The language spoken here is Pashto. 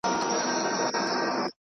دا نجلۍ لکه شبنم درپسې ژاړي